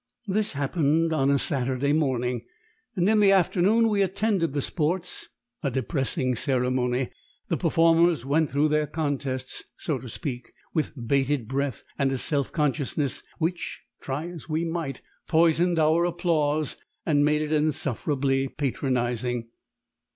This happened on a Saturday morning, and in the afternoon we attended the sports a depressing ceremony. The performers went through their contests, so to speak, with bated breath and a self consciousness which, try as we might, poisoned our applause and made it insufferably patronising.